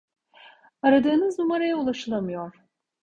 Aradığınız numaraya ulaşılamıyor.